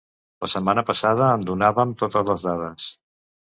La setmana passada en donàvem totes les dades.